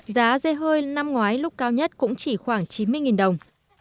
giá dê hơi năm ngoái lúc cao nhất cũng chỉ khoảng chín mươi đồng